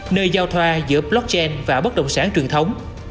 nơi giao thoa giữa blockchain và bất động sản truyền thống